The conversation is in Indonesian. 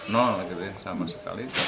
nol gitu ya sama sekali